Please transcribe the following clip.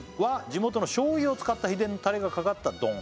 「地元の醤油を使った秘伝のタレがかかった丼」